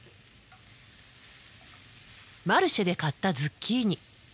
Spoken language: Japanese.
マルシェで買ったズッキーニ。